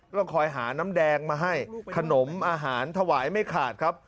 ต้องคอยหาน้ำแดงมาให้ขนมอาหารถวายไม่ขาดครับ